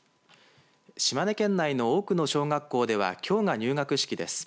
島根県内の多くの小学校ではきょうが入学式です。